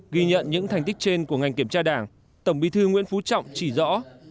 ghi nhận những thành tích trên của ngành kiểm tra đảng tổng bí thư nguyễn phú trọng chỉ rõ